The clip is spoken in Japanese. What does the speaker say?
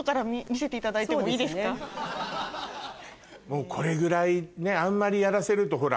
もうこれぐらいあんまりやらせるとほら。